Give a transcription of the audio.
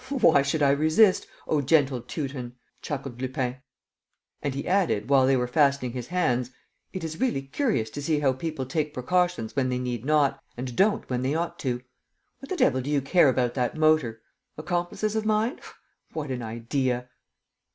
"Why should I resist, O gentle Teuton?" chuckled Lupin. And he added, while they were fastening his hands, "It is really curious to see how people take precautions when they need not and don't when they ought to. What the devil do you care about that motor? Accomplices of mine? What an idea!"